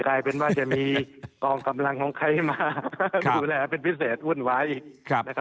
กลายเป็นว่าจะมีกองกำลังของใครมาดูแลเป็นพิเศษวุ่นวาย